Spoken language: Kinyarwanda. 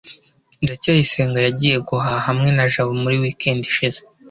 ndacyayisenga yagiye guhaha hamwe na jabo muri weekend ishize